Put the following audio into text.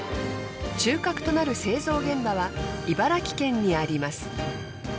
中核となる製造現場は茨城県にあります。